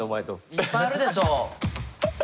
いっぱいあるでしょう。